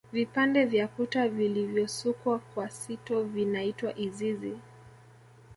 Vipande vya kuta vilivyosukwa kwa sito vinaitwa izizi